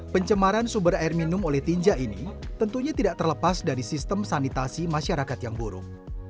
pencemaran sumber air minum oleh tinja ini tentunya tidak terlepas dari sistem sanitasi masyarakat yang buruk